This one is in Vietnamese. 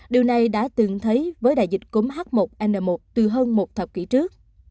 điều này đã từng thấy với đại dịch cúm h một n một từ hơn một thập kỷ trước